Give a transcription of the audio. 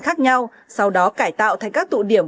khác nhau sau đó cải tạo thành các tụ điểm